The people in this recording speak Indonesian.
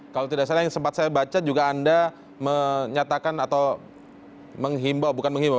kalau tidak salah yang sempat saya baca juga anda menyatakan atau menghimbau bukan menghimbau